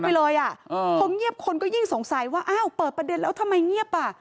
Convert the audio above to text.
ไปเลยอ่ะพอเงียบคนก็ยิ่งสงสัยว่าอ้าวเปิดประเด็นแล้วทำไมเงียบอ่ะ